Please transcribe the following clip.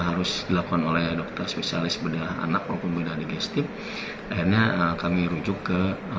harus dilakukan oleh dokter spesialis bedah anak maupun bedah digestif akhirnya kami rujuk ke